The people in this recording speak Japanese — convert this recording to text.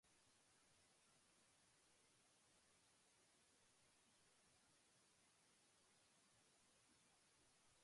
年よった悪魔は、三人の兄弟を取っちめたと言うたよりが来るか来るかと待っていました。が待っても待っても来ませんでした。